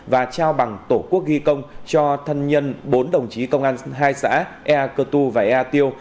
và trao bằng tổ quốc ghi công cho thân nhân bốn đồng chí công an hai xã ea cơ tu và ea tiêu